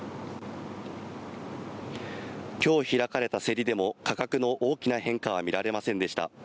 きょう開かれた競りでも、価格の大きな変化は見られませんでした。